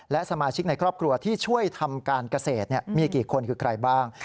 และสมาชิกในครอบครัวที่ช่วยทำการเกษตรมีกี่คนคือใครบ้าง